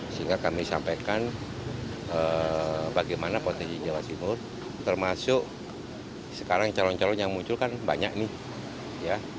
sehingga kami sampaikan bagaimana potensi jawa timur termasuk sekarang calon calon yang muncul kan banyak nih ya